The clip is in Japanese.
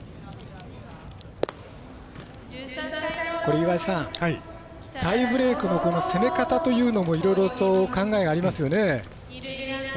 岩井さんタイブレークの攻め方というのもいろいろと考えがありますよね。